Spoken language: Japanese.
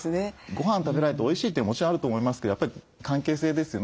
ごはん食べられておいしいというのはもちろんあると思いますけどやっぱり関係性ですよね。